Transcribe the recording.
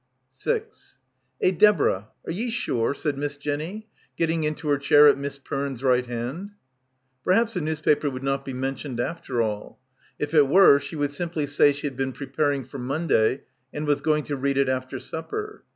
"Eh, Deborah, are ye sure?" said Miss Jenny, getting into her chair at Miss Perne's right hand. Perhaps the newspaper would not be mentioned after all. If it were she would simply say she had been preparing for Monday and was going to read it after supper.